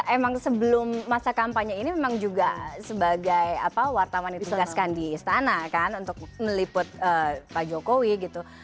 karena sebelum masa kampanye ini memang juga sebagai wartawan yang ditugaskan di istana kan untuk meliput pak jokowi gitu